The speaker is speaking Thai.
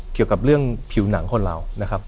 เกี่ยวกับเรื่องผิวหนังคนเรานะครับ